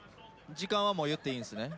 時間は言っていいんすね？